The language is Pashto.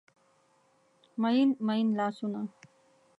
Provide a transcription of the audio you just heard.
میین، میین لاسونه